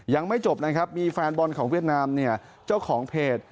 ยังไม่จบนะครับมีแฟนบอลของเวียดนามเนี่ยเจ้าของเพจ